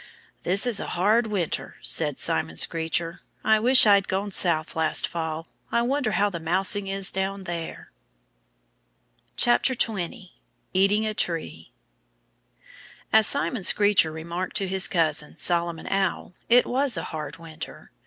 "This is a hard winter," said Simon Screecher. "I wish I'd gone South last fall. I wonder how the mousing is down there." 20 Eating a Tree AS SIMON SCREECHER remarked to his cousin, Solomon Owl, it was a hard winter.